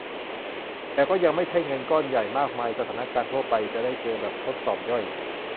แต่ก็ยังไม่ใช่เงินก้อนใหญ่มากมายสถานการณ์ทั่วไปจะได้เจอแบบทดสอบย่อย